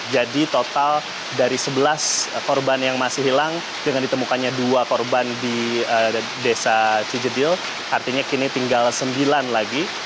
jadi total dari sebelas korban yang masih hilang dengan ditemukannya dua korban di desa cijedil artinya kini tinggal sembilan lagi